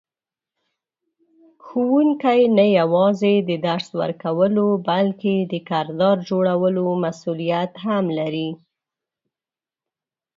ښوونکی نه یوازې د درس ورکولو بلکې د کردار جوړولو مسئولیت هم لري.